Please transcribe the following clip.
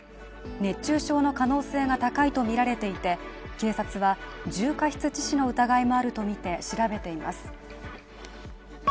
熱中症の可能性が高いとみられていて、警察は重過失致死の疑いもあるとみて調べています。